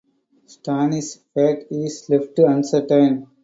Stannis's fate is left uncertain.